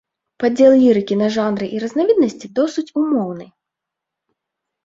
Падзел лірыкі на жанры і разнавіднасці досыць умоўны.